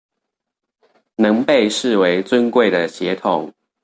仍被視為尊貴的血統